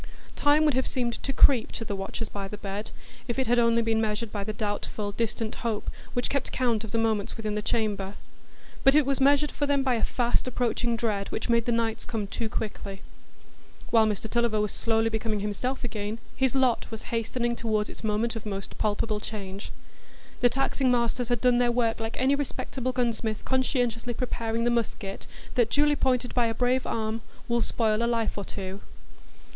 Time would have seemed to creep to the watchers by the bed, if it had only been measured by the doubtful, distant hope which kept count of the moments within the chamber; but it was measured for them by a fast approaching dread which made the nights come too quickly. While Mr Tulliver was slowly becoming himself again, his lot was hastening toward its moment of most palpable change. The taxing masters had done their work like any respectable gunsmith conscientiously preparing the musket, that, duly pointed by a brave arm, will spoil a life or two.